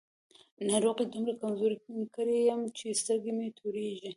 ناروغۍ دومره کمزوری کړی يم چې سترګې مې تورېږي.